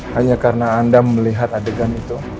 hanya karena anda melihat adegan itu